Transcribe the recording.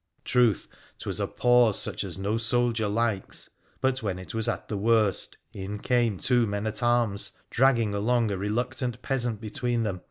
Truth, 'twas a pause such as no soldier likes, but when it was at the worst in came two men at arms dragging along a reluctant peasant between them.